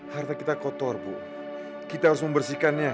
harta kita kotor bu kita harus membersihkannya